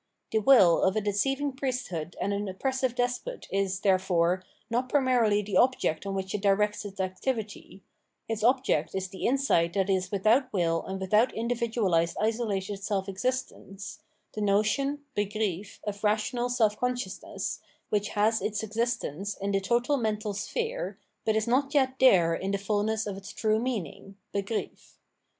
The will of a deceiving priesthood and an oppressive despot is, therefore, not primarily the object on which it directs its activity; its object is the insight that is without win and without individualised isolated self existence, the notion {Begriff) of rational self consciousness, which has its existence in the total mental sphere, but is not yet there in the fullness of its true meaning {Begriff).